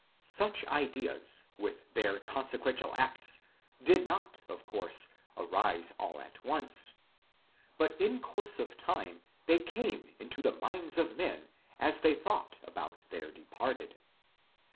Such ideas, with their consequential acts, did not, of course, arise all at once ; but in course of time they came into the minds of men as they thought about their departed.